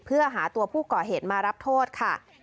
เพื่อหาตัวผู้ก่อเหตุมารับโทษค่ะ